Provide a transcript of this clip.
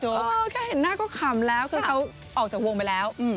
อ้าวแค่เห็นหน้าก็ขำแล้วซะค่ะคือเขาออกจากวงไปแล้วอืม